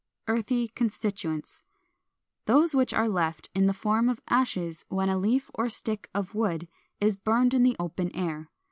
Earthy constituents, those which are left in the form of ashes when a leaf or a stick of wood is burned in the open air.